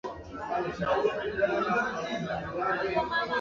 hupuuza sayansi na kwa hivyo inaongoza uchumi wa